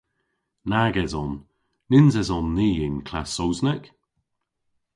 Nag eson. Nyns eson ni y'n klass Sowsnek.